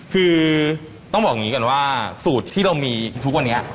คือต้องบอกอย่างนี้ก่อนว่าสูตรที่เรามีทุกวันนี้